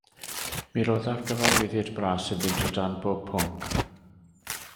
Mi roddaf gyfarwyddyd bras iddynt o dan bob pwnc.